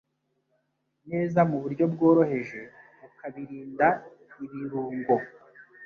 neza mu buryo bworoheje, ukabirinda ibirungo